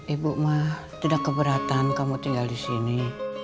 ibu mah tidak keberatan kamu tinggal di sini